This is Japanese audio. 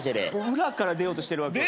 裏から出ようとしてるわけ。